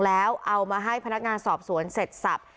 แล้วเอามาให้พนักงานสอบสวนเสร็จสับ